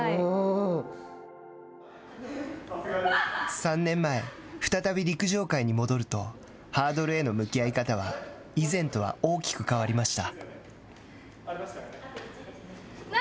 ３年前、再び陸上界に戻るとハードルへの向き合い方は以前とは大きく変わりました。